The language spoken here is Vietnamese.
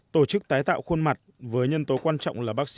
tổ chức tái tạo khuôn mặt với nhân tố quan trọng của các bác sĩ